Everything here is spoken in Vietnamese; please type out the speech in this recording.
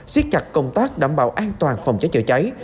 xiết chặt công tác đảm bảo an toàn phòng cháy chữa cháy